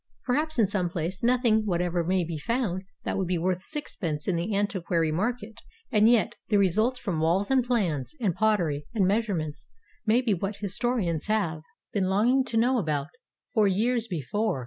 Perhaps in some place nothing whatever may be found that would be worth sixpence in the antiquary market, and yet the results from walls and plans and pottery and measurements may be what historians have been longing to know about for years before.